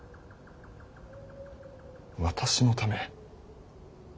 私のため。